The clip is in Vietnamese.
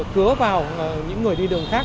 cứa vào những người đi đường khác